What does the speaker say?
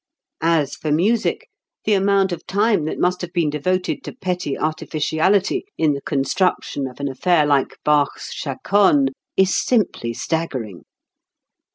As for music, the amount of time that must have been devoted to petty artificiality in the construction of an affair like Bach's Chaconne is simply staggering.